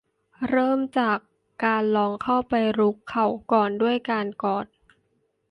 เริ่มจากลองเข้าไปรุกเขาก่อนด้วยการกอด